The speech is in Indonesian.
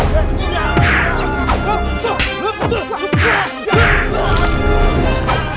sendiri berihin atau ie lele